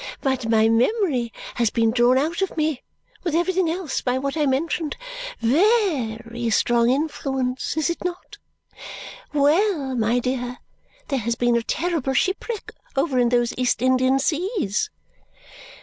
But my memory has been drawn out of me, with everything else, by what I mentioned. Ve ry strong influence, is it not? Well, my dear, there has been a terrible shipwreck over in those East Indian seas."